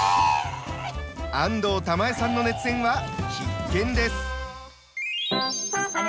安藤玉恵さんの熱演は必見です。